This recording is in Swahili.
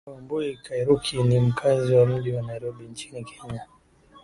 bi caro wambui kairuki ni mkazi wa mji wa nairobi nchini kenya